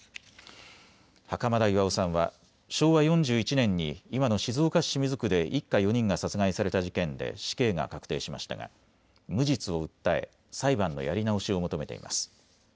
袴田巌さんは昭和４１年に今の静岡市清水区で一家４人が殺害された事件で死刑が確定しましたが無実を訴え裁判のやり直しを求めています。